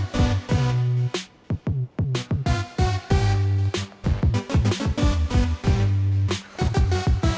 masih nggak mau